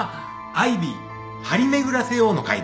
アイビー張り巡らせようの会です。